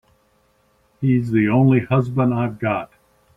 He's the only husband I've got.